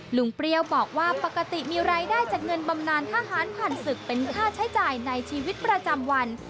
เปรี้ยวบอกว่าปกติมีรายได้จากเงินบำนานทหารผ่านศึกเป็นค่าใช้จ่ายในชีวิตประจำวัน